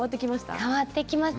変わってきますね。